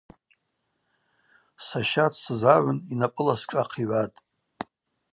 Саща дсызгӏагӏвын йнапӏыла сшӏа хъигӏватӏ.